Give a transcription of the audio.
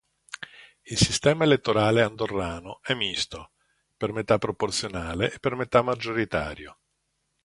Il sistema elettorale andorrano è misto, per metà proporzionale e per metà maggioritario.